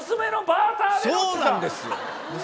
そうなんですよ。